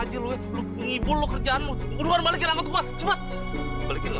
dia mau balikin angkot itu